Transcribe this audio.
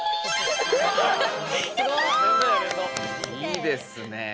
いいですねえ。